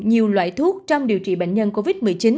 nhiều loại thuốc trong điều trị bệnh nhân covid một mươi chín